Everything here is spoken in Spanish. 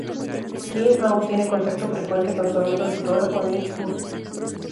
Kim aún tiene contacto frecuente con su amigo el fotógrafo Nick Ut.